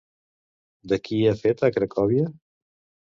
De qui ha fet a Crackòvia?